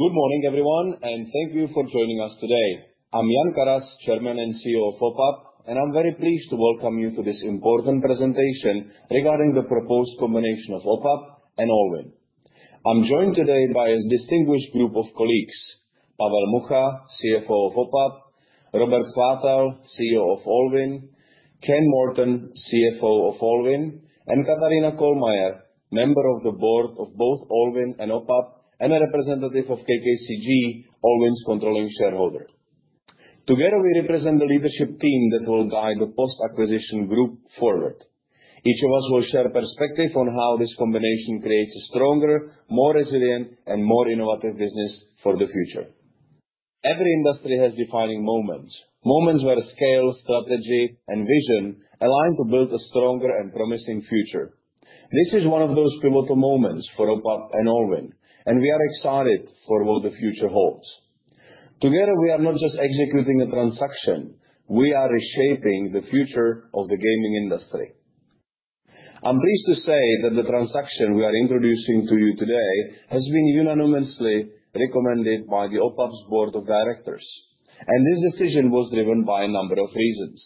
Good morning, everyone, and thank you for joining us today. I'm Jan Karas, Chairman and CEO of OPAP, and I'm very pleased to welcome you to this important presentation regarding the proposed combination of OPAP and Allwyn. I'm joined today by a distinguished group of colleagues: Pavel Mucha, CFO of OPAP, Robert Chvátal, CEO of Allwyn, Ken Morton, CFO of Allwyn, and Katarina Kohlmayer, member of the board of both Allwyn and OPAP, and a representative of KKCG, Allwyn's controlling shareholder. Together, we represent the leadership team that will guide the post-acquisition group forward. Each of us will share perspective on how this combination creates a stronger, more resilient, and more innovative business for the future. Every industry has defining moments, moments where scale, strategy, and vision align to build a stronger and promising future. This is one of those pivotal moments for OPAP and Allwyn, and we are excited for what the future holds. Together, we are not just executing a transaction. We are reshaping the future of the gaming industry. I'm pleased to say that the transaction we are introducing to you today has been unanimously recommended by the OPAP's board of directors, and this decision was driven by a number of reasons.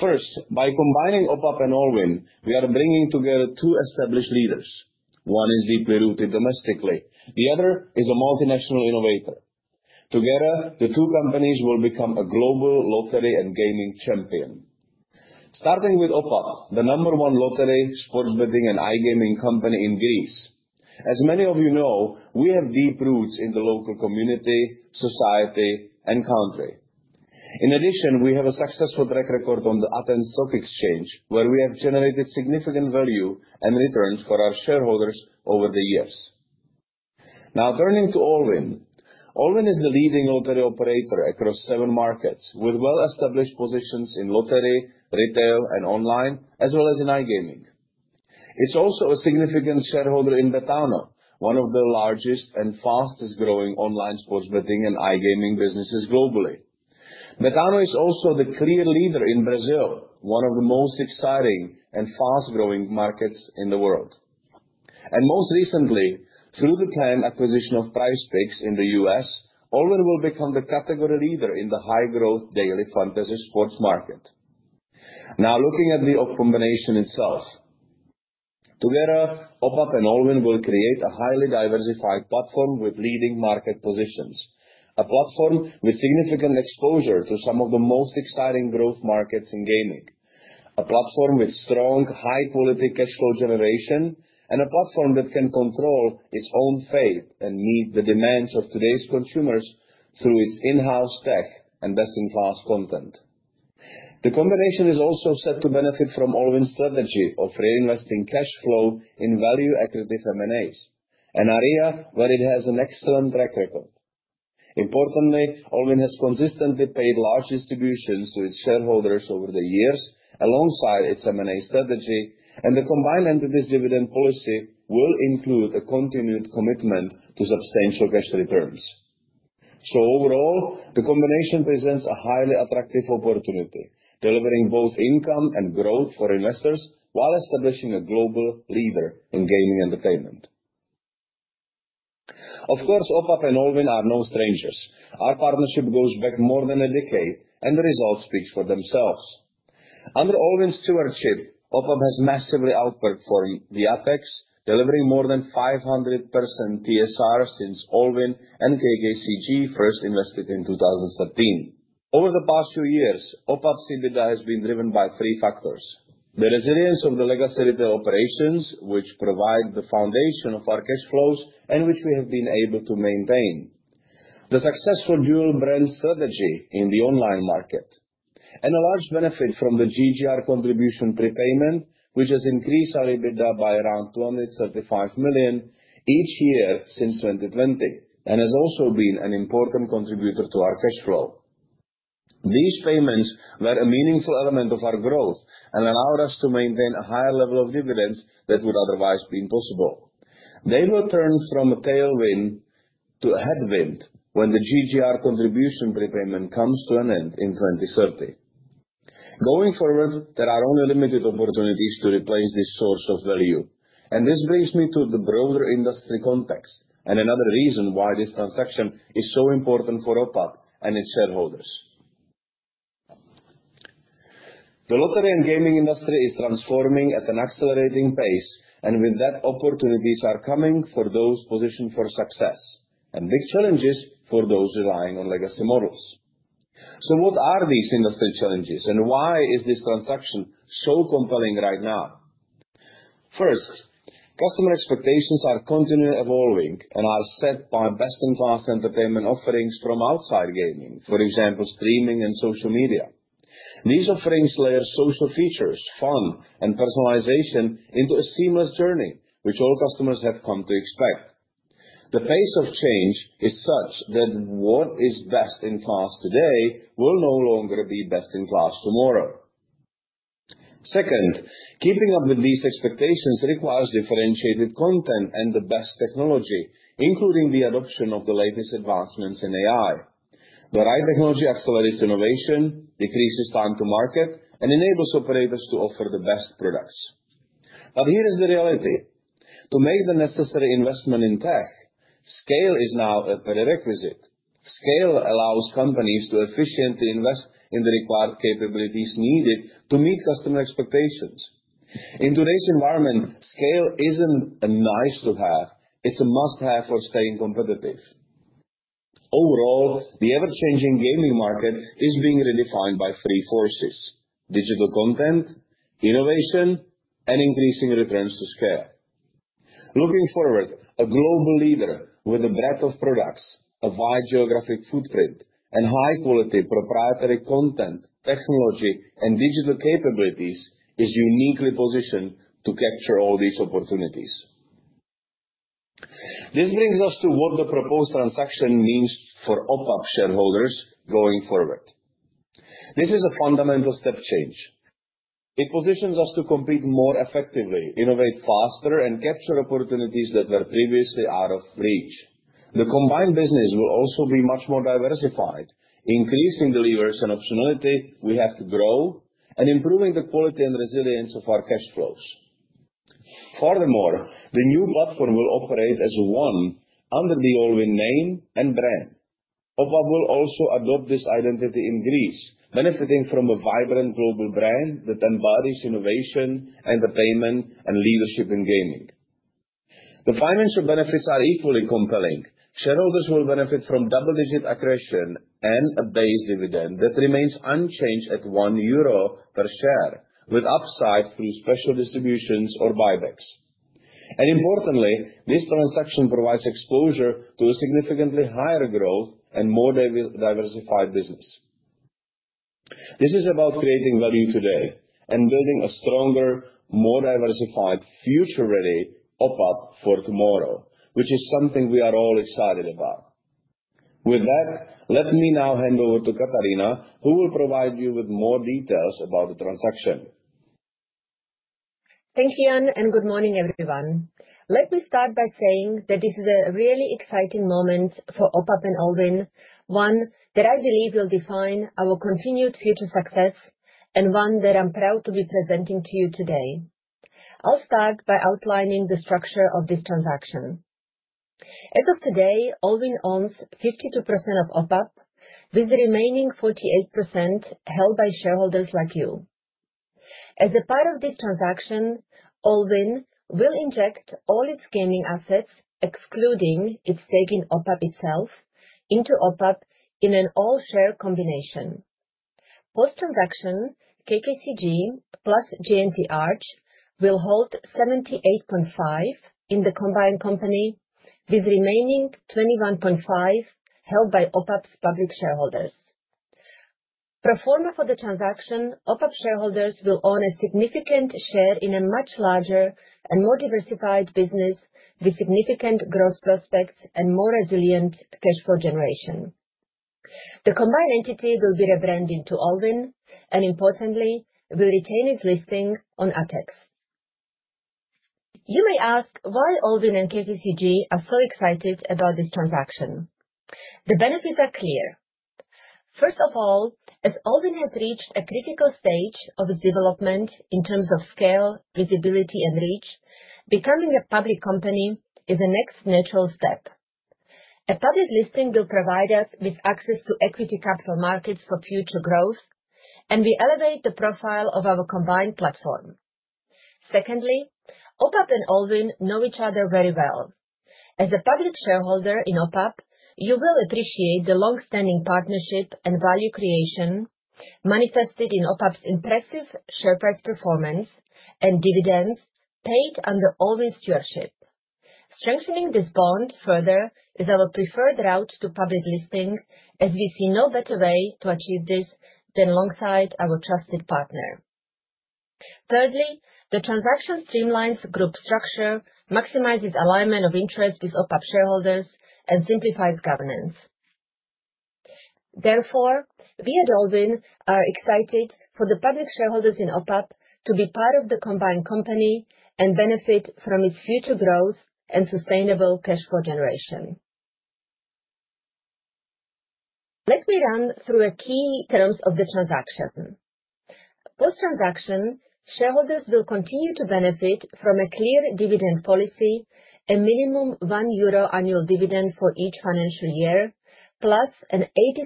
First, by combining OPAP and Allwyn, we are bringing together two established leaders. One is deeply rooted domestically. The other is a multinational innovator. Together, the two companies will become a global lottery and gaming champion. Starting with OPAP, the number one lottery, sports betting, and iGaming company in Greece. As many of you know, we have deep roots in the local community, society, and country. In addition, we have a successful track record on the Athens Stock Exchange, where we have generated significant value and returns for our shareholders over the years. Now, turning to Allwyn. Allwyn is the leading lottery operator across seven markets, with well-established positions in lottery, retail, and online, as well as in iGaming. It's also a significant shareholder in Betano, one of the largest and fastest-growing online sports betting and iGaming businesses globally. Betano is also the clear leader in Brazil, one of the most exciting and fast-growing markets in the world. And most recently, through the planned acquisition of PrizePicks in the U.S., Allwyn will become the category leader in the high-growth daily fantasy sports market. Now, looking at the combination itself, together, OPAP and Allwyn will create a highly diversified platform with leading market positions. A platform with significant exposure to some of the most exciting growth markets in gaming. A platform with strong, high-quality cash flow generation, and a platform that can control its own fate and meet the demands of today's consumers through its in-house tech and best-in-class content. The combination is also set to benefit from Allwyn's strategy of reinvesting cash flow in value-accretive M&As, an area where it has an excellent track record. Importantly, Allwyn has consistently paid large distributions to its shareholders over the years alongside its M&A strategy, and the combined entities dividend policy will include a continued commitment to substantial cash returns. So overall, the combination presents a highly attractive opportunity, delivering both income and growth for investors while establishing a global leader in gaming entertainment. Of course, OPAP and Allwyn are no strangers. Our partnership goes back more than a decade, and the result speaks for themselves. Under Allwyn's stewardship, OPAP has massively outperformed the ATHEX, delivering more than 500% TSR since Allwyn and KKCG first invested in 2013. Over the past few years, OPAP's EBITDA has been driven by three factors: the resilience of the legacy retail operations, which provide the foundation of our cash flows and which we have been able to maintain, the successful dual-brand strategy in the online market, and a large benefit from the GGR contribution prepayment, which has increased our EBITDA by around 235 million each year since 2020 and has also been an important contributor to our cash flow. These payments were a meaningful element of our growth and allowed us to maintain a higher level of dividends that would otherwise be impossible. They will turn from a tailwind to a headwind when the GGR contribution prepayment comes to an end in 2030. Going forward, there are only limited opportunities to replace this source of value, and this brings me to the broader industry context and another reason why this transaction is so important for OPAP and its shareholders. The lottery and gaming industry is transforming at an accelerating pace, and with that, opportunities are coming for those positioned for success and big challenges for those relying on legacy models. So what are these industry challenges, and why is this transaction so compelling right now? First, customer expectations are continually evolving and are set by best-in-class entertainment offerings from outside gaming, for example, streaming and social media. These offerings layer social features, fun, and personalization into a seamless journey, which all customers have come to expect. The pace of change is such that what is best in class today will no longer be best in class tomorrow. Second, keeping up with these expectations requires differentiated content and the best technology, including the adoption of the latest advancements in AI. The right technology accelerates innovation, decreases time to market, and enables operators to offer the best products, but here is the reality. To make the necessary investment in tech, scale is now a prerequisite. Scale allows companies to efficiently invest in the required capabilities needed to meet customer expectations. In today's environment, scale isn't a nice-to-have. It's a must-have for staying competitive. Overall, the ever-changing gaming market is being redefined by three forces: digital content, innovation, and increasing returns to scale. Looking forward, a global leader with a breadth of products, a wide geographic footprint, and high-quality proprietary content, technology, and digital capabilities is uniquely positioned to capture all these opportunities. This brings us to what the proposed transaction means for OPAP shareholders going forward. This is a fundamental step change. It positions us to compete more effectively, innovate faster, and capture opportunities that were previously out of reach. The combined business will also be much more diversified, increasing delivery and optionality we have to grow, and improving the quality and resilience of our cash flows. Furthermore, the new platform will operate as one under the Allwyn name and brand. OPAP will also adopt this identity in Greece, benefiting from a vibrant global brand that embodies innovation, entertainment, and leadership in gaming. The financial benefits are equally compelling. Shareholders will benefit from double-digit accretion and a base dividend that remains unchanged at 1 euro per share, with upside through special distributions or buybacks. And importantly, this transaction provides exposure to a significantly higher growth and more diversified business. This is about creating value today and building a stronger, more diversified, future-ready OPAP for tomorrow, which is something we are all excited about. With that, let me now hand over to Katarina, who will provide you with more details about the transaction. Thank you, Jan, and good morning, everyone. Let me start by saying that this is a really exciting moment for OPAP and Allwyn, one that I believe will define our continued future success and one that I'm proud to be presenting to you today. I'll start by outlining the structure of this transaction. As of today, Allwyn owns 52% of OPAP, with the remaining 48% held by shareholders like you. As a part of this transaction, Allwyn will inject all its gaming assets, excluding its stake in OPAP itself, into OPAP in an all-share combination. Post-transaction, KKCG plus J&T Arch will hold 78.5% in the combined company, with the remaining 21.5% held by OPAP's public shareholders. Pro forma for the transaction, OPAP shareholders will own a significant share in a much larger and more diversified business with significant growth prospects and more resilient cash flow generation. The combined entity will be rebranded to Allwyn and, importantly, will retain its listing on ATHEX. You may ask why Allwyn and KKCG are so excited about this transaction. The benefits are clear. First of all, as Allwyn has reached a critical stage of its development in terms of scale, visibility, and reach, becoming a public company is the next natural step. A public listing will provide us with access to equity capital markets for future growth, and we elevate the profile of our combined platform. Secondly, OPAP and Allwyn know each other very well. As a public shareholder in OPAP, you will appreciate the long-standing partnership and value creation manifested in OPAP's impressive share price performance and dividends paid under Allwyn's stewardship. Strengthening this bond further is our preferred route to public listing, as we see no better way to achieve this than alongside our trusted partner. Thirdly, the transaction streamlines group structure, maximizes alignment of interest with OPAP shareholders, and simplifies governance. Therefore, we at Allwyn are excited for the public shareholders in OPAP to be part of the combined company and benefit from its future growth and sustainable cash flow generation. Let me run through a key terms of the transaction. Post-transaction, shareholders will continue to benefit from a clear dividend policy, a minimum 1 euro annual dividend for each financial year, plus an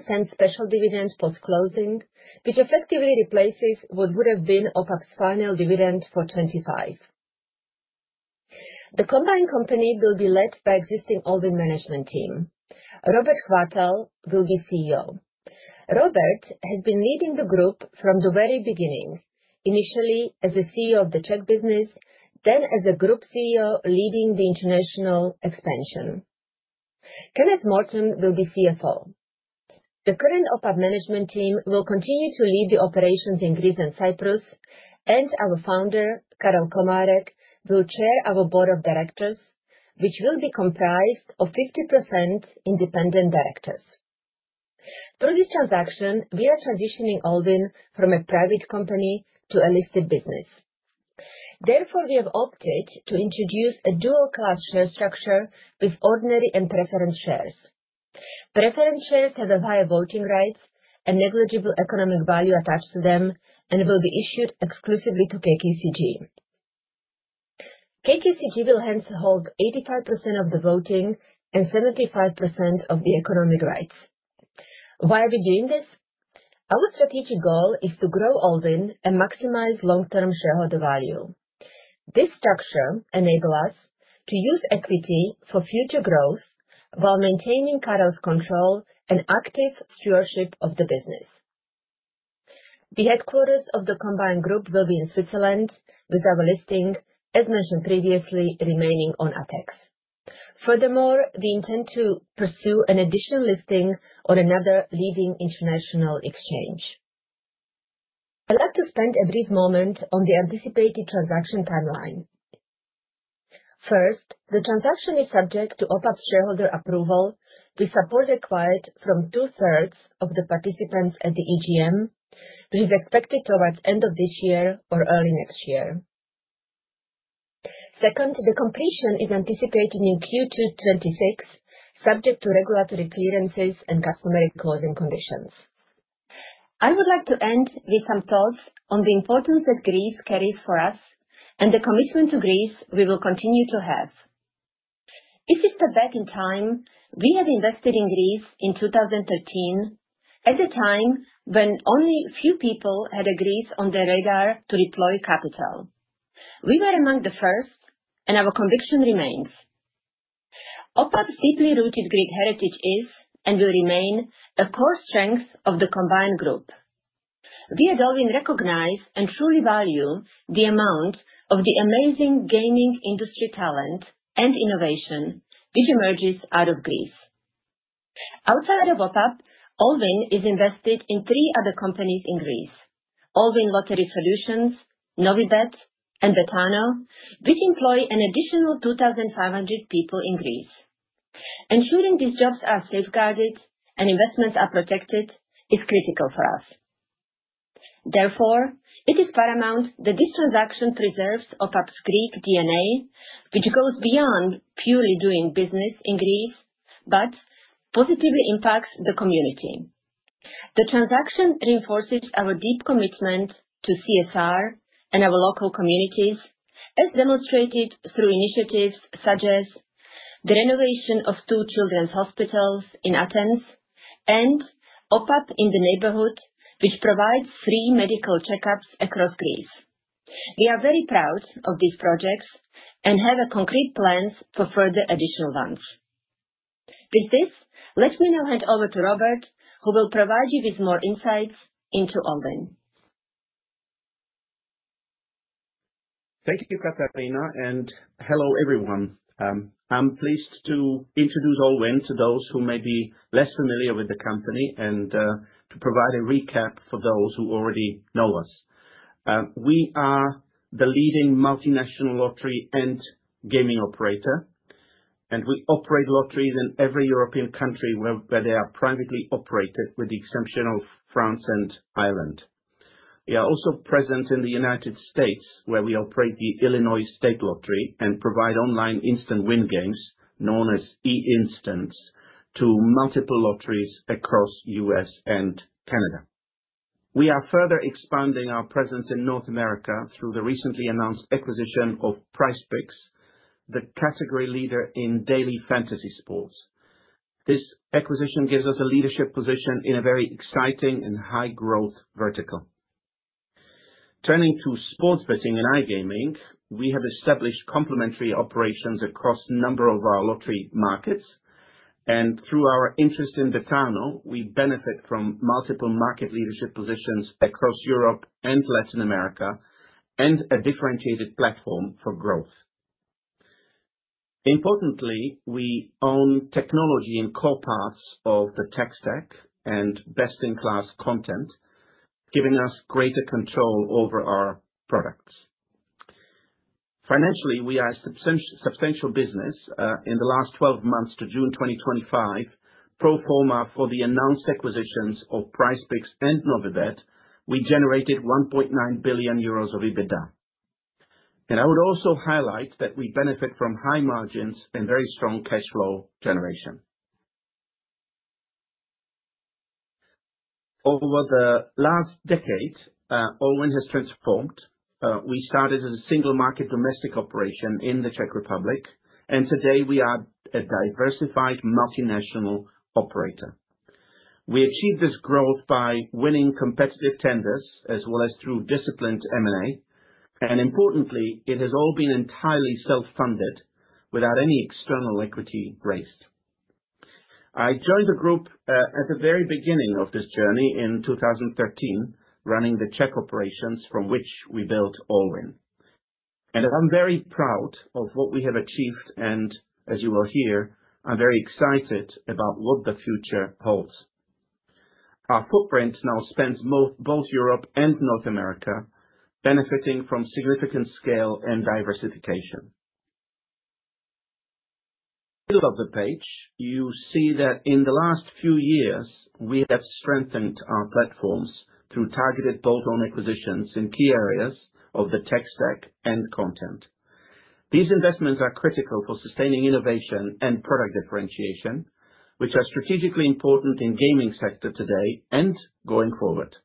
0.80 special dividend post-closing, which effectively replaces what would have been OPAP's final dividend for 2025. The combined company will be led by the existing Allwyn management team. Robert Chvátal will be CEO. Robert has been leading the group from the very beginning, initially as the CEO of the Czech business, then as the group CEO leading the international expansion. Kenneth Morton will be CFO. The current OPAP management team will continue to lead the operations in Greece and Cyprus, and our founder, Karel Komárek, will chair our board of directors, which will be comprised of 50% independent directors. Through this transaction, we are transitioning Allwyn from a private company to a listed business. Therefore, we have opted to introduce a dual-class share structure with ordinary and preference shares. Preference shares have a higher voting rights, a negligible economic value attached to them, and will be issued exclusively to KKCG. KKCG will hence hold 85% of the voting and 75% of the economic rights. Why are we doing this? Our strategic goal is to grow Allwyn and maximize long-term shareholder value. This structure enables us to use equity for future growth while maintaining Karel's control and active stewardship of the business. The headquarters of the combined group will be in Switzerland, with our listing, as mentioned previously, remaining on ATHEX. Furthermore, we intend to pursue an additional listing on another leading international exchange. I'd like to spend a brief moment on the anticipated transaction timeline. First, the transaction is subject to OPAP's shareholder approval, with support required from two-thirds of the participants at the EGM, which is expected towards the end of this year or early next year. Second, the completion is anticipated in Q2 2026, subject to regulatory clearances and customary closing conditions. I would like to end with some thoughts on the importance that Greece carries for us and the commitment to Greece we will continue to have. This is the bet in time we have invested in Greece in 2013, at a time when only few people had Greece on their radar to deploy capital. We were among the first, and our conviction remains. OPAP's deeply rooted Greek heritage is and will remain a core strength of the combined group. We at Allwyn recognize and truly value the amount of the amazing gaming industry talent and innovation which emerges out of Greece. Outside of OPAP, Allwyn is invested in three other companies in Greece: Allwyn Lottery Solutions, Novibet, and Betano, which employ an additional 2,500 people in Greece. Ensuring these jobs are safeguarded and investments are protected is critical for us. Therefore, it is paramount that this transaction preserves OPAP's Greek DNA, which goes beyond purely doing business in Greece but positively impacts the community. The transaction reinforces our deep commitment to CSR and our local communities, as demonstrated through initiatives such as the renovation of two children's hospitals in Athens and OPAP in the Neighborhood, which provides free medical checkups across Greece. We are very proud of these projects and have concrete plans for further additional ones. With this, let me now hand over to Robert, who will provide you with more insights into Allwyn. Thank you, Katarina, and hello, everyone. I'm pleased to introduce Allwyn to those who may be less familiar with the company and to provide a recap for those who already know us. We are the leading multinational lottery and gaming operator, and we operate lotteries in every European country where they are privately operated, with the exception of France and Ireland. We are also present in the United States, where we operate the Illinois State Lottery and provide online instant win games, known as e-instants, to multiple lotteries across the U.S. and Canada. We are further expanding our presence in North America through the recently announced acquisition of PrizePicks, the category leader in daily fantasy sports. This acquisition gives us a leadership position in a very exciting and high-growth vertical. Turning to sports betting and iGaming, we have established complementary operations across a number of our lottery markets, and through our interest in Betano, we benefit from multiple market leadership positions across Europe and Latin America and a differentiated platform for growth. Importantly, we own technology in core parts of the tech stack and best-in-class content, giving us greater control over our products. Financially, we are a substantial business. In the last 12 months to June 2025, pro forma for the announced acquisitions of PrizePicks and Novibet, we generated 1.9 billion euros of EBITDA. And I would also highlight that we benefit from high margins and very strong cash flow generation. Over the last decade, Allwyn has transformed. We started as a single-market domestic operation in the Czech Republic, and today we are a diversified multinational operator. We achieved this growth by winning competitive tenders as well as through disciplined M&A, and importantly, it has all been entirely self-funded without any external equity raised. I joined the group at the very beginning of this journey in 2013, running the Czech operations from which we built Allwyn, and I'm very proud of what we have achieved, and as you will hear, I'm very excited about what the future holds. Our footprint now spans both Europe and North America, benefiting from significant scale and diversification. In the middle of the page, you see that in the last few years, we have strengthened our platforms through targeted bolt-on acquisitions in key areas of the tech stack and content. These investments are critical for sustaining innovation and product differentiation, which are strategically important in the gaming sector today and going forward.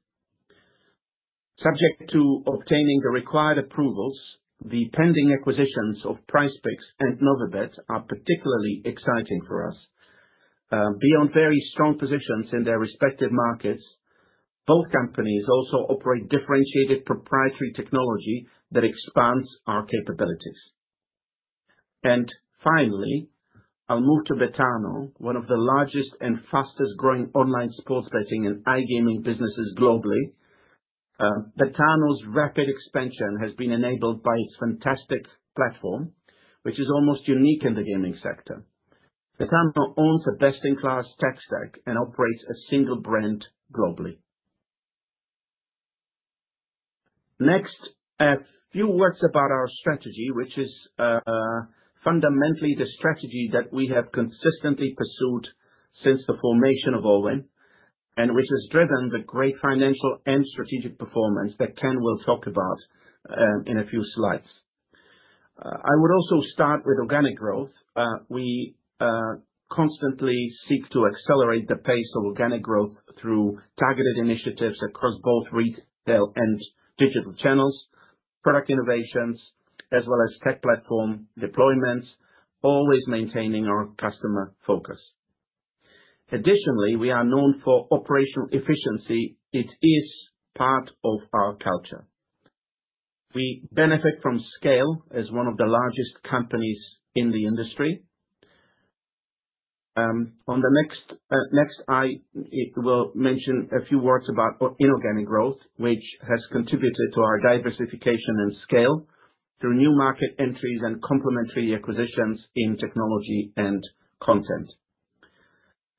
Subject to obtaining the required approvals, the pending acquisitions of PrizePicks and Novibet are particularly exciting for us. Beyond very strong positions in their respective markets, both companies also operate differentiated proprietary technology that expands our capabilities. And finally, I'll move to Betano, one of the largest and fastest-growing online sports betting and iGaming businesses globally. Betano's rapid expansion has been enabled by its fantastic platform, which is almost unique in the gaming sector. Betano owns a best-in-class tech stack and operates a single brand globally. Next, a few words about our strategy, which is fundamentally the strategy that we have consistently pursued since the formation of Allwyn and which has driven the great financial and strategic performance that Ken will talk about in a few slides. I would also start with organic growth. We constantly seek to accelerate the pace of organic growth through targeted initiatives across both retail and digital channels, product innovations, as well as tech platform deployments, always maintaining our customer focus. Additionally, we are known for operational efficiency. It is part of our culture. We benefit from scale as one of the largest companies in the industry. On the next slide, I will mention a few words about inorganic growth, which has contributed to our diversification and scale through new market entries and complementary acquisitions in technology and content.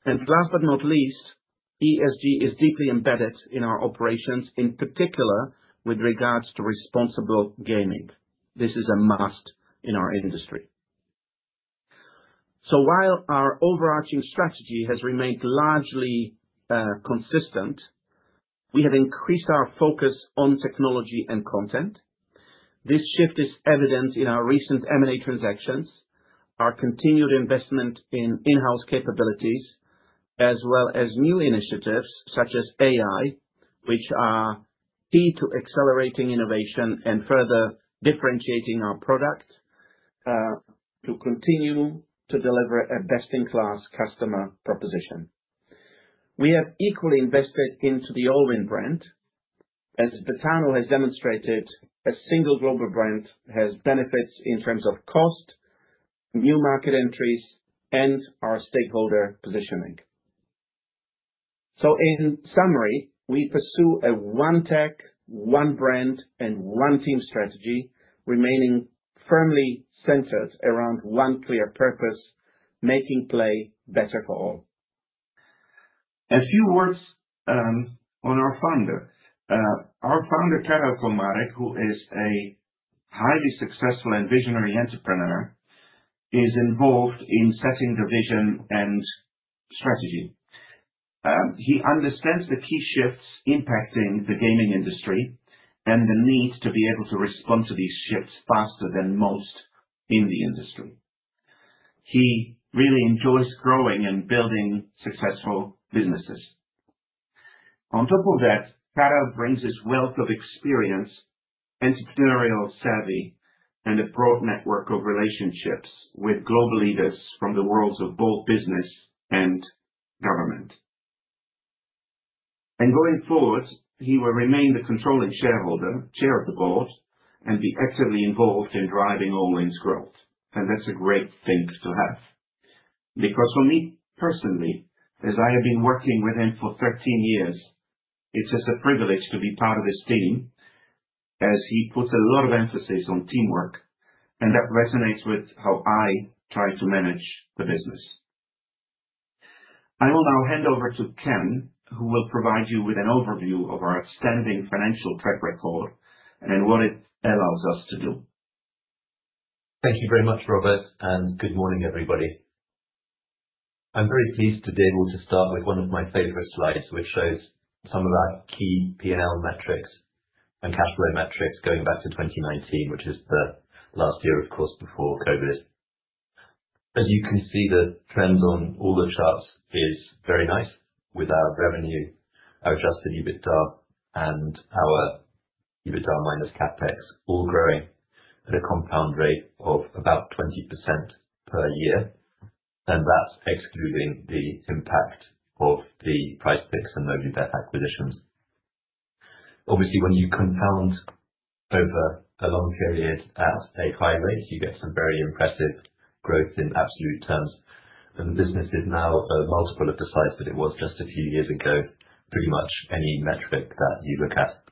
And last but not least, ESG is deeply embedded in our operations, in particular with regards to responsible gaming. This is a must in our industry. So while our overarching strategy has remained largely consistent, we have increased our focus on technology and content. This shift is evident in our recent M&A transactions, our continued investment in-house capabilities, as well as new initiatives such as AI, which are key to accelerating innovation and further differentiating our product to continue to deliver a best-in-class customer proposition. We have equally invested into the Allwyn brand. As Betano has demonstrated, a single global brand has benefits in terms of cost, new market entries, and our stakeholder positioning. So in summary, we pursue a one tech, one brand, and one team strategy, remaining firmly centered around one clear purpose, making play better for all. A few words on our founder. Our founder, Karel Komárek, who is a highly successful and visionary entrepreneur, is involved in setting the vision and strategy. He understands the key shifts impacting the gaming industry and the need to be able to respond to these shifts faster than most in the industry. He really enjoys growing and building successful businesses. On top of that, Karel brings his wealth of experience, entrepreneurial savvy, and a broad network of relationships with global leaders from the worlds of both business and government, and going forward, he will remain the controlling shareholder, chair of the board, and be actively involved in driving Allwyn's growth, and that's a great thing to have. Because for me personally, as I have been working with him for 13 years, it's just a privilege to be part of this team, as he puts a lot of emphasis on teamwork, and that resonates with how I try to manage the business. I will now hand over to Ken, who will provide you with an overview of our outstanding financial track record and what it allows us to do. Thank you very much, Robert, and good morning, everybody. I'm very pleased today to be able to start with one of my favorite slides, which shows some of our key P&L metrics and cash flow metrics going back to 2019, which is the last year, of course, before COVID. As you can see, the trend on all the charts is very nice, with our revenue, our adjusted EBITDA, and our EBITDA minus CapEx all growing at a compound rate of about 20% per year, and that's excluding the impact of the PrizePicks and Novibet acquisitions. Obviously, when you compound over a long period at a high rate, you get some very impressive growth in absolute terms, and the business is now a multiple of the size that it was just a few years ago, pretty much any metric that you look at.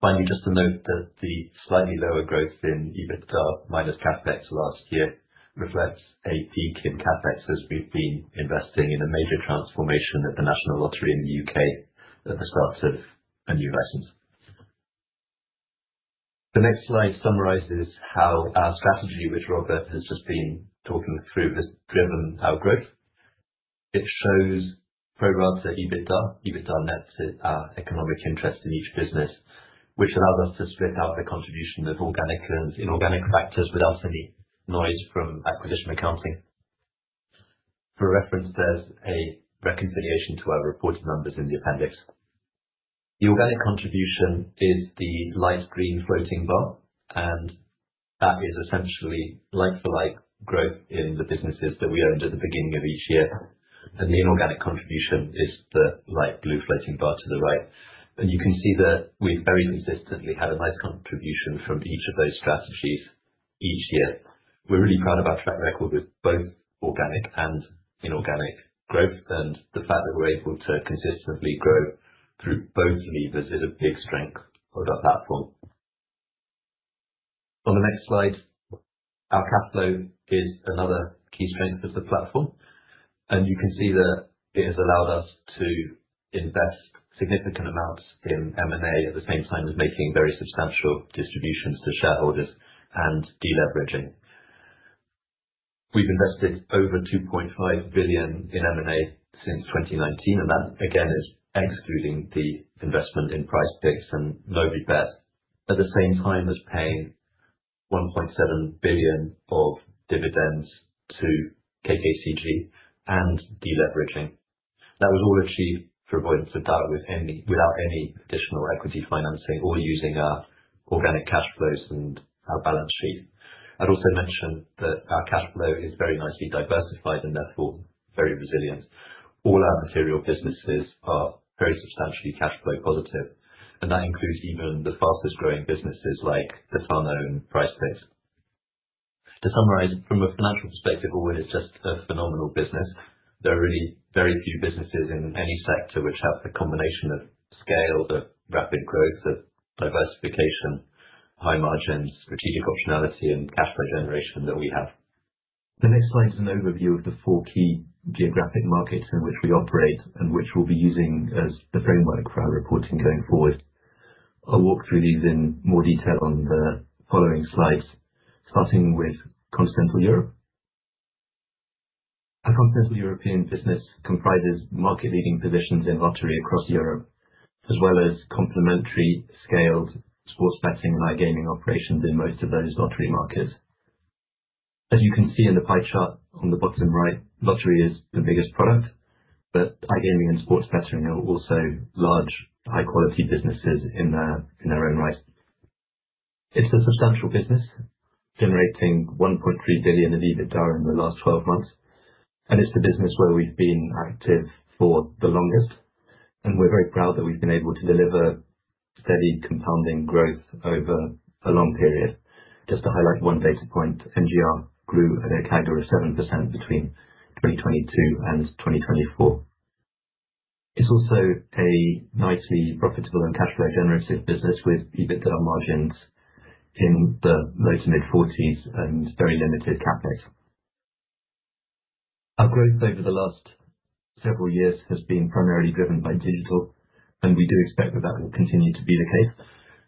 Finally, just to note that the slightly lower growth in EBITDA minus CapEx last year reflects a peak in CapEx as we've been investing in a major transformation at the National Lottery in the U.K. at the start of a new license. The next slide summarizes how our strategy, which Robert has just been talking through, has driven our growth. It shows pro rata EBITDA, EBITDA nets in our economic interest in each business, which allows us to split out the contribution of organic and inorganic factors without any noise from acquisition accounting. For reference, there's a reconciliation to our reporting numbers in the appendix. The organic contribution is the light green floating bar, and that is essentially like-for-like growth in the businesses that we earned at the beginning of each year, and the inorganic contribution is the light blue floating bar to the right. You can see that we've very consistently had a nice contribution from each of those strategies each year. We're really proud of our track record with both organic and inorganic growth, and the fact that we're able to consistently grow through both levers is a big strength of our platform. On the next slide, our cash flow is another key strength of the platform, and you can see that it has allowed us to invest significant amounts in M&A at the same time as making very substantial distributions to shareholders and deleveraging. We've invested over 2.5 billion in M&A since 2019, and that, again, is excluding the investment in PrizePicks and Novibet, at the same time as paying 1.7 billion of dividends to KKCG and deleveraging. That was all achieved, for avoidance of doubt, without any additional equity financing or using our organic cash flows and our balance sheet. I'd also mention that our cash flow is very nicely diversified and therefore very resilient. All our material businesses are very substantially cash flow positive, and that includes even the fastest-growing businesses like Betano and PrizePicks. To summarize, from a financial perspective, Allwyn is just a phenomenal business. There are really very few businesses in any sector which have the combination of scale, the rapid growth, the diversification, high margins, strategic optionality, and cash flow generation that we have. The next slide is an overview of the four key geographic markets in which we operate and which we'll be using as the framework for our reporting going forward. I'll walk through these in more detail on the following slides, starting with continental Europe. Our continental European business comprises market-leading positions in lottery across Europe, as well as complementary scaled sports betting and iGaming operations in most of those lottery markets. As you can see in the pie chart on the bottom right, lottery is the biggest product, but iGaming and sports betting are also large, high-quality businesses in their own right. It's a substantial business, generating 1.3 billion in EBITDA in the last 12 months, and it's the business where we've been active for the longest, and we're very proud that we've been able to deliver steady compounding growth over a long period. Just to highlight one data point, NGR grew an aggregate of 7% between 2022 and 2024. It's also a nicely profitable and cash flow generative business with EBITDA margins in the low to mid-40s and very limited CapEx. Our growth over the last several years has been primarily driven by digital, and we do expect that that will continue to be the case.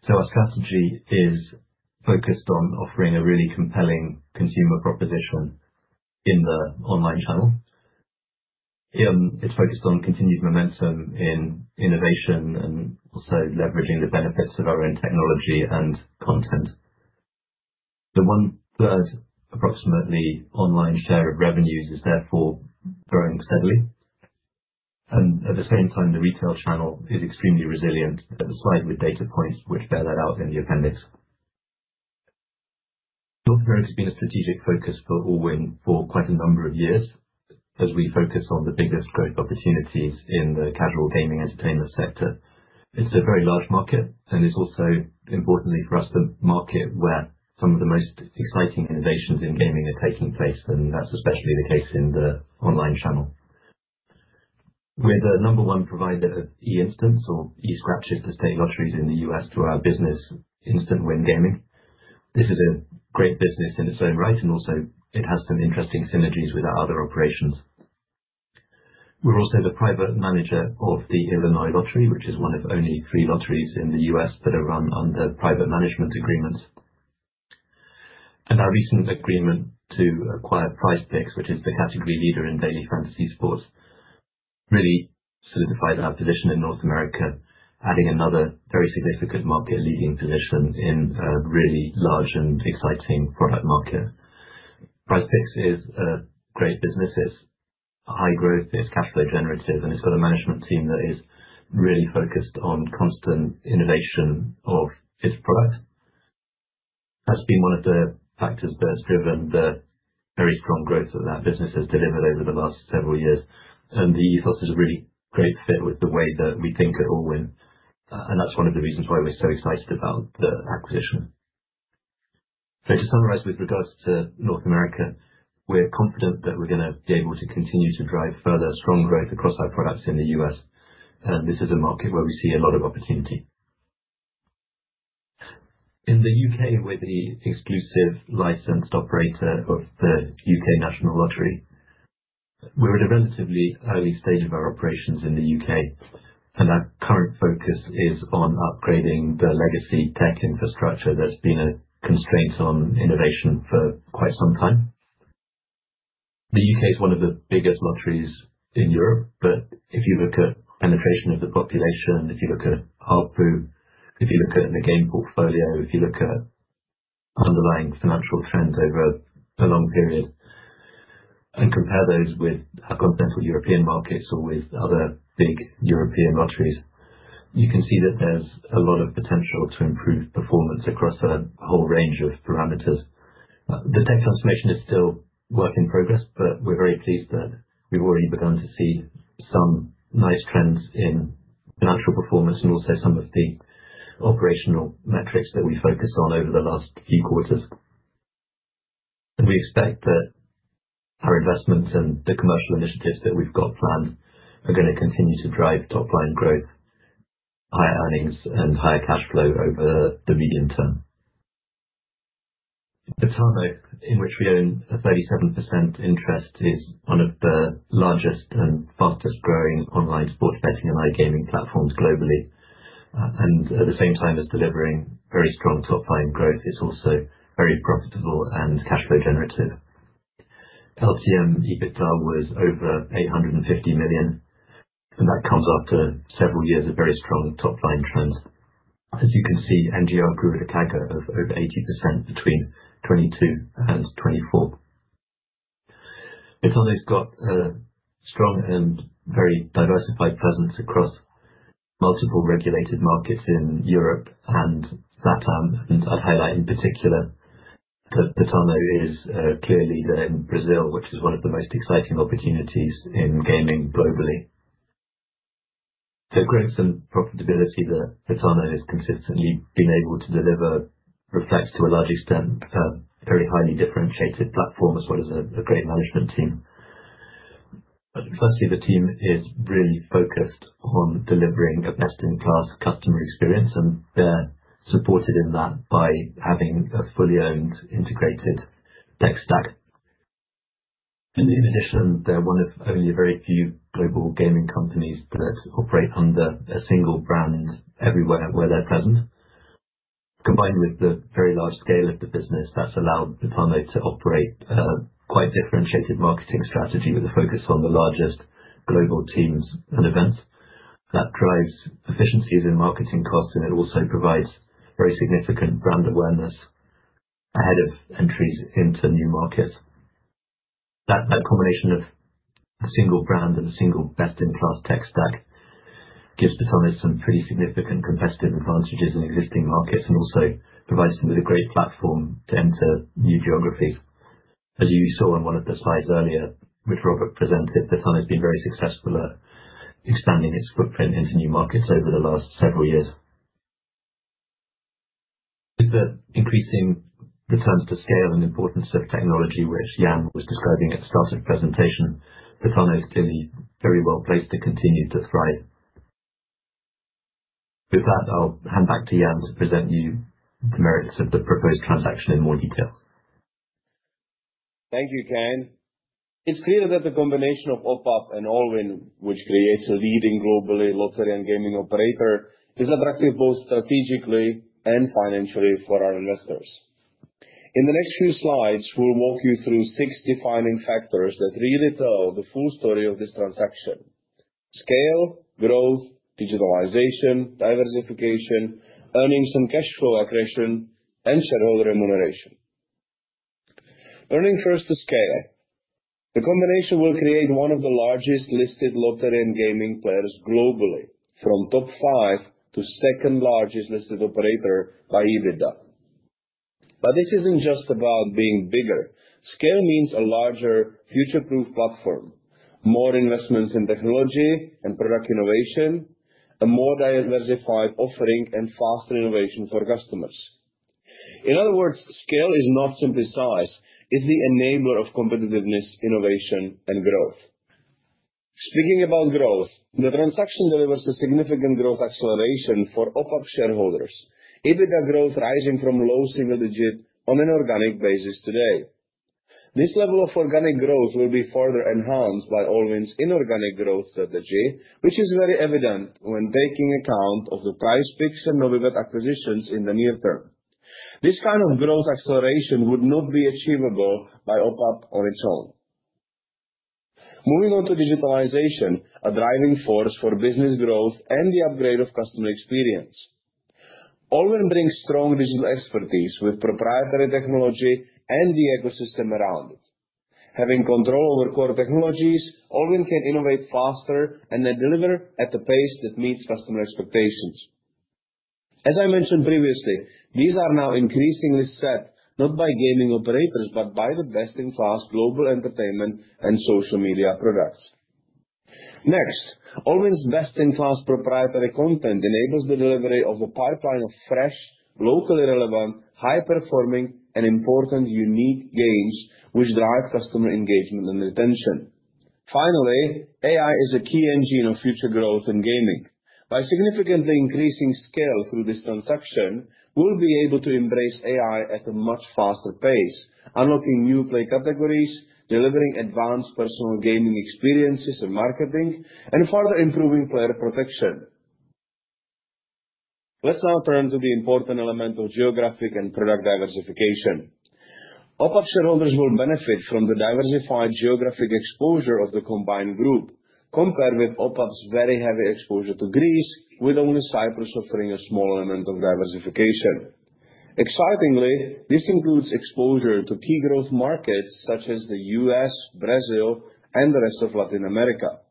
Our strategy is focused on offering a really compelling consumer proposition in the online channel. It's focused on continued momentum in innovation and also leveraging the benefits of our own technology and content. The one-third, approximately, online share of revenues is therefore growing steadily, and at the same time, the retail channel is extremely resilient. The slide with data points which bear that out in the appendix. North America has been a strategic focus for Allwyn for quite a number of years, as we focus on the biggest growth opportunities in the casual gaming entertainment sector. It's a very large market, and it's also, importantly for us, the market where some of the most exciting innovations in gaming are taking place, and that's especially the case in the online channel. We're the number one provider of e-instants or e-scratches to state lotteries in the U.S. through our business, Instant Win Gaming. This is a great business in its own right, and also it has some interesting synergies with our other operations. We're also the private manager of the Illinois Lottery, which is one of only three lotteries in the U.S. that are run under private management agreements, and our recent agreement to acquire PrizePicks, which is the category leader in daily fantasy sports, really solidifies our position in North America, adding another very significant market-leading position in a really large and exciting product market. PrizePicks is a great business. It's high growth, it's cash flow generative, and it's got a management team that is really focused on constant innovation of its product. That's been one of the factors that's driven the very strong growth that that business has delivered over the last several years, and the ethos is a really great fit with the way that we think at Allwyn, and that's one of the reasons why we're so excited about the acquisition. So to summarize with regards to North America, we're confident that we're going to be able to continue to drive further strong growth across our products in the U.S., and this is a market where we see a lot of opportunity. In the U.K., we're the exclusive licensed operator of the U.K. National Lottery. We're at a relatively early stage of our operations in the U.K., and our current focus is on upgrading the legacy tech infrastructure that's been a constraint on innovation for quite some time. The UK is one of the biggest lotteries in Europe, but if you look at penetration of the population, if you look at ARPU, if you look at the game portfolio, if you look at underlying financial trends over a long period, and compare those with our continental European markets or with other big European lotteries, you can see that there's a lot of potential to improve performance across a whole range of parameters. The tech transformation is still a work in progress, but we're very pleased that we've already begun to see some nice trends in financial performance and also some of the operational metrics that we focus on over the last few quarters, and we expect that our investments and the commercial initiatives that we've got planned are going to continue to drive top-line growth, higher earnings, and higher cash flow over the medium term. Betano, in which we own a 37% interest, is one of the largest and fastest-growing online sports betting and iGaming platforms globally, and at the same time as delivering very strong top-line growth, it's also very profitable and cash flow generative. LTM EBITDA was over 850 million, and that comes after several years of very strong top-line trends. As you can see, NGR grew at a CAGR of over 80% between 2022 and 2024. Betano's got a strong and very diversified presence across multiple regulated markets in Europe and LATAM, and I'd highlight in particular that Betano is clear leader in Brazil, which is one of the most exciting opportunities in gaming globally. The growth and profitability that Betano has consistently been able to deliver reflects, to a large extent, a very highly differentiated platform as well as a great management team. Firstly, the team is really focused on delivering a best-in-class customer experience, and they're supported in that by having a fully owned integrated tech stack, and in addition, they're one of only very few global gaming companies that operate under a single brand everywhere where they're present. Combined with the very large scale of the business, that's allowed Betano to operate a quite differentiated marketing strategy with a focus on the largest global teams and events. That drives efficiencies in marketing costs, and it also provides very significant brand awareness ahead of entries into new markets. That combination of a single brand and a single best-in-class tech stack gives Betano some pretty significant competitive advantages in existing markets and also provides them with a great platform to enter new geographies. As you saw on one of the slides earlier, which Robert presented, Betano has been very successful at expanding its footprint into new markets over the last several years. With the increasing returns to scale and importance of technology, which Jan was describing at the start of the presentation, Betano is clearly very well placed to continue to thrive. With that, I'll hand back to Jan to present you the merits of the proposed transaction in more detail. Thank you, Ken. It's clear that the combination of OPAP and Allwyn, which creates a leading global lottery and gaming operator, is attractive both strategically and financially for our investors. In the next few slides, we'll walk you through six defining factors that really tell the full story of this transaction: scale, growth, digitalization, diversification, earnings and cash flow accretion, and shareholder remuneration. Turning first to scale. The combination will create one of the largest listed lottery and gaming players globally, from top five to second-largest listed operator by EBITDA. But this isn't just about being bigger. Scale means a larger, future-proof platform, more investments in technology and product innovation, a more diversified offering, and faster innovation for customers. In other words, scale is not simply size. It's the enabler of competitiveness, innovation, and growth. Speaking about growth, the transaction delivers a significant growth acceleration for OPAP shareholders. EBITDA growth rising from low single digit on an organic basis today. This level of organic growth will be further enhanced by Allwyn's inorganic growth strategy, which is very evident when taking account of the PrizePicks and Novibet acquisitions in the near term. This kind of growth acceleration would not be achievable by OPAP on its own. Moving on to digitalization, a driving force for business growth and the upgrade of customer experience. Allwyn brings strong digital expertise with proprietary technology and the ecosystem around it. Having control over core technologies, Allwyn can innovate faster and then deliver at a pace that meets customer expectations. As I mentioned previously, these are now increasingly set not by gaming operators, but by the best-in-class global entertainment and social media products. Next, Allwyn's best-in-class proprietary content enables the delivery of a pipeline of fresh, locally relevant, high-performing, and important, unique games, which drive customer engagement and retention. Finally, AI is a key engine of future growth in gaming. By significantly increasing scale through this transaction, we'll be able to embrace AI at a much faster pace, unlocking new play categories, delivering advanced personal gaming experiences and marketing, and further improving player protection. Let's now turn to the important element of geographic and product diversification. OPAP shareholders will benefit from the diversified geographic exposure of the combined group, compared with OPAP's very heavy exposure to Greece, with only Cyprus offering a small element of diversification. Excitingly, this includes exposure to key growth markets such as the U.S., Brazil, and the rest of Latin America.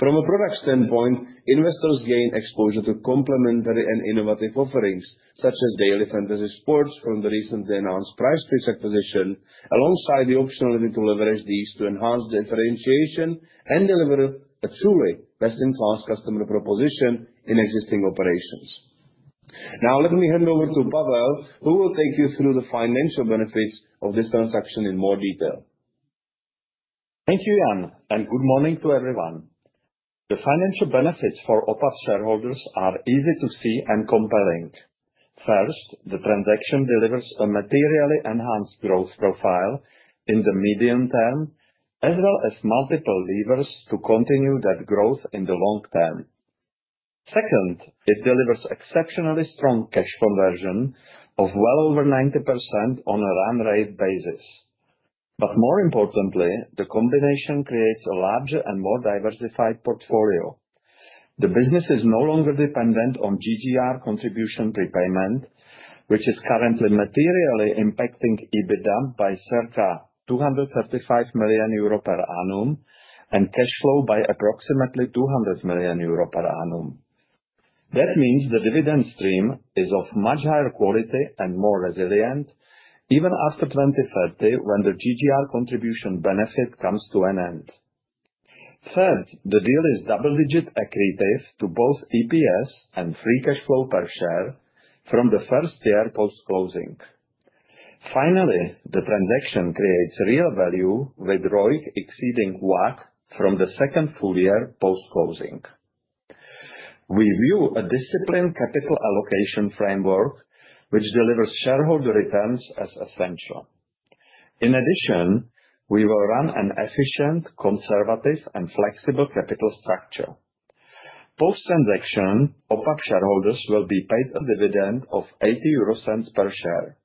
From a product standpoint, investors gain exposure to complementary and innovative offerings, such as daily fantasy sports from the recently announced PrizePicks acquisition, alongside the optionality to leverage these to enhance differentiation and deliver a truly best-in-class customer proposition in existing operations. Now, let me hand over to Pavel, who will take you through the financial benefits of this transaction in more detail. Thank you, Jan, and good morning to everyone. The financial benefits for OPAP shareholders are easy to see and compelling. First, the transaction delivers a materially enhanced growth profile in the medium term, as well as multiple levers to continue that growth in the long term. Second, it delivers exceptionally strong cash conversion of well over 90% on a run-rate basis, but more importantly, the combination creates a larger and more diversified portfolio. The business is no longer dependent on GGR contribution prepayment, which is currently materially impacting EBITDA by circa 235 million euro per annum and cash flow by approximately 200 million euro per annum. That means the dividend stream is of much higher quality and more resilient, even after 2030, when the GGR contribution benefit comes to an end. Third, the deal is double-digit accretive to both EPS and free cash flow per share from the first year post-closing. Finally, the transaction creates real value with ROIC exceeding WACC from the second full year post-closing. We view a disciplined capital allocation framework, which delivers shareholder returns as essential. In addition, we will run an efficient, conservative, and flexible capital structure. Post-transaction, OPAP shareholders will be paid a dividend of 0.80 per share.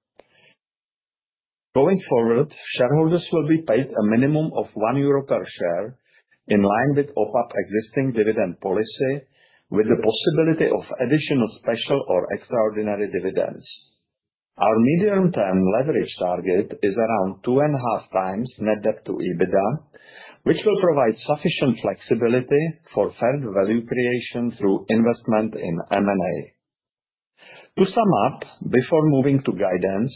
Going forward, shareholders will be paid a minimum of 1 euro per share, in line with OPAP's existing dividend policy, with the possibility of additional special or extraordinary dividends. Our medium-term leverage target is around two and a half times net debt to EBITDA, which will provide sufficient flexibility for further value creation through investment in M&A. To sum up, before moving to guidance,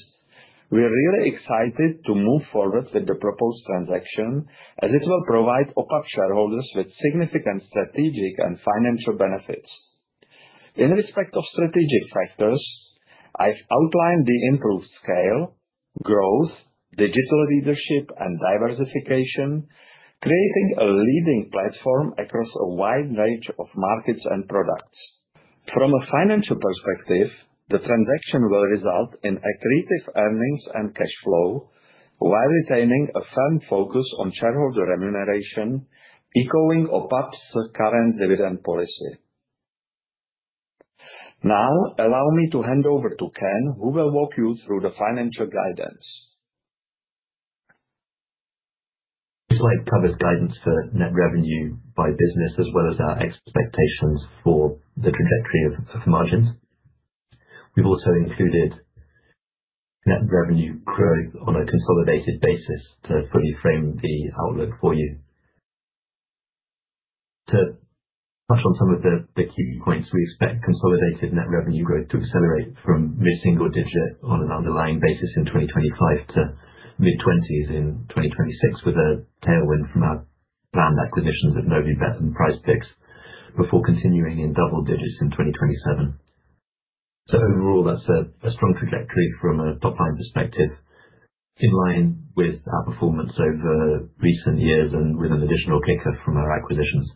we're really excited to move forward with the proposed transaction, as it will provide OPAP shareholders with significant strategic and financial benefits. In respect of strategic factors, I've outlined the improved scale, growth, digital leadership, and diversification, creating a leading platform across a wide range of markets and products. From a financial perspective, the transaction will result in accretive earnings and cash flow, while retaining a firm focus on shareholder remuneration, echoing OPAP's current dividend policy. Now, allow me to hand over to Ken, who will walk you through the financial guidance. Just like covered guidance for net revenue by business, as well as our expectations for the trajectory of margins, we've also included net revenue growth on a consolidated basis to fully frame the outlook for you. To touch on some of the key points, we expect consolidated net revenue growth to accelerate from mid-single digit on an underlying basis in 2025 to mid-20s in 2026, with a tailwind from our planned acquisitions of Novibet and PrizePicks before continuing in double digits in 2027. So overall, that's a strong trajectory from a top-line perspective, in line with our performance over recent years and with an additional kick-off from our acquisitions.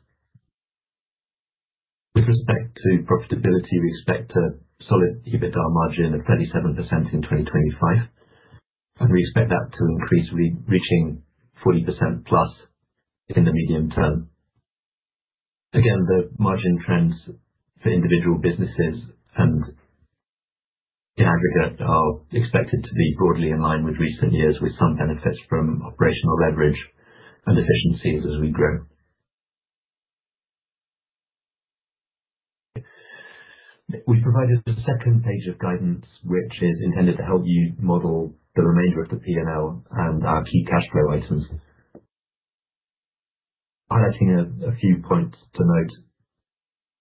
With respect to profitability, we expect a solid EBITDA margin of 37% in 2025, and we expect that to increase, reaching 40%+ in the medium term. Again, the margin trends for individual businesses and in aggregate are expected to be broadly in line with recent years, with some benefits from operational leverage and efficiencies as we grow. We've provided a second page of guidance, which is intended to help you model the remainder of the P&L and our key cash flow items, highlighting a few points to note.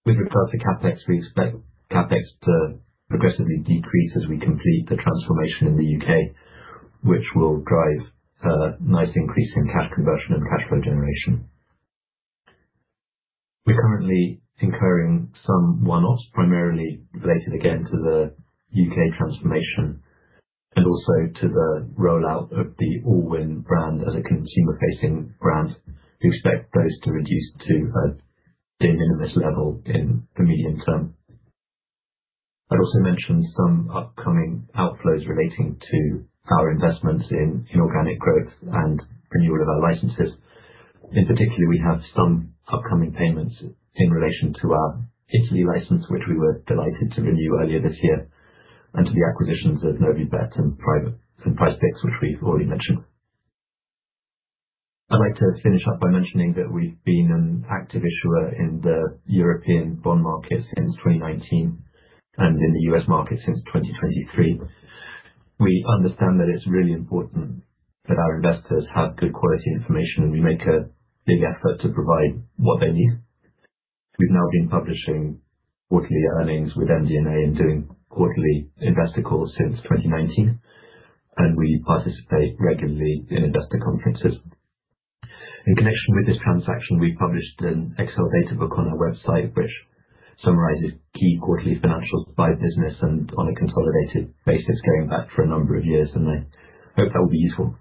With regards to CapEx, we expect CapEx to progressively decrease as we complete the transformation in the U.K., which will drive a nice increase in cash conversion and cash flow generation. We're currently incurring some one-offs, primarily related, again, to the U.K. transformation and also to the rollout of the Allwyn brand as a consumer-facing brand. We expect those to reduce to a de minimis level in the medium term. I'd also mentioned some upcoming outflows relating to our investments in inorganic growth and renewal of our licenses. In particular, we have some upcoming payments in relation to our Italy license, which we were delighted to renew earlier this year, and to the acquisitions of Novibet and PrizePicks, which we've already mentioned. I'd like to finish up by mentioning that we've been an active issuer in the European bond market since 2019 and in the U.S. market since 2023. We understand that it's really important that our investors have good quality information, and we make a big effort to provide what they need. We've now been publishing quarterly earnings with MD&A and doing quarterly investor calls since 2019, and we participate regularly in investor conferences. In connection with this transaction, we've published an Excel data book on our website, which summarizes key quarterly financials by business and on a consolidated basis going back for a number of years, and I hope that will be useful.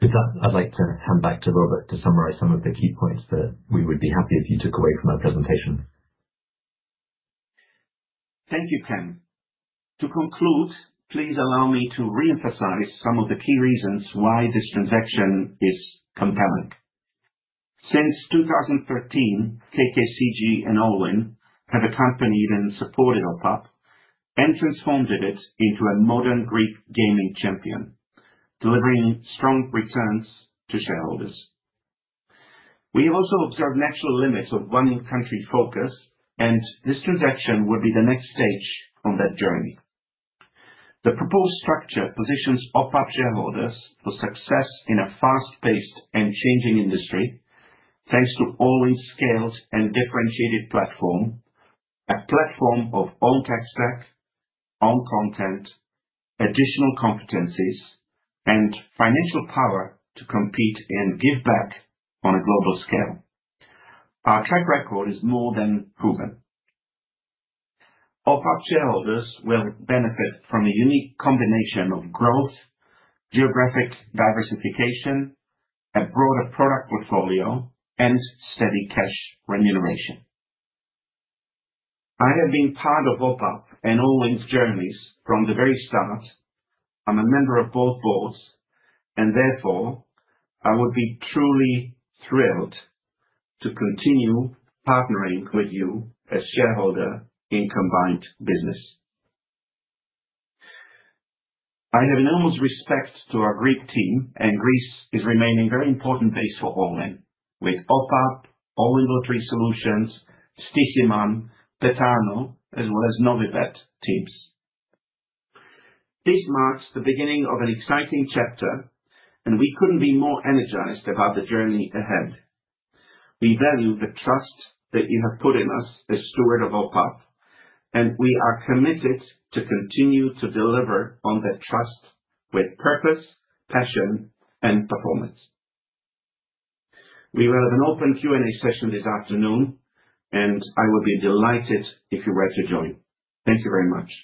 With that, I'd like to hand back to Robert to summarize some of the key points that we would be happy if you took away from our presentation. Thank you, Ken. To conclude, please allow me to re-emphasize some of the key reasons why this transaction is compelling. Since 2013, KKCG and Allwyn have accompanied and supported OPAP and transformed it into a modern Greek gaming champion, delivering strong returns to shareholders. We have also observed natural limits of one-country focus, and this transaction will be the next stage on that journey. The proposed structure positions OPAP shareholders for success in a fast-paced and changing industry, thanks to Allwyn's scaled and differentiated platform, a platform of own tech stack, own content, additional competencies, and financial power to compete and give back on a global scale. Our track record is more than proven. OPAP shareholders will benefit from a unique combination of growth, geographic diversification, a broader product portfolio, and steady cash remuneration. I have been part of OPAP and Allwyn's journeys from the very start. I'm a member of both boards, and therefore, I would be truly thrilled to continue partnering with you as shareholder in combined business. I have enormous respect for our Greek team, and Greece is remaining a very important base for Allwyn, with OPAP, Allwyn Lottery Solutions, Stoiximan, Betano, as well as Novibet teams. This marks the beginning of an exciting chapter, and we couldn't be more energized about the journey ahead. We value the trust that you have put in us as stewards of OPAP, and we are committed to continue to deliver on that trust with purpose, passion, and performance. We will have an open Q&A session this afternoon, and I would be delighted if you were to join. Thank you very much.